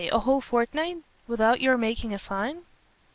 a whole fortnight? without your making a sign?"